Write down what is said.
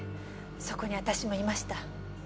そこに私もいました。